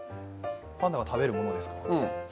パンダが食べるってことですか？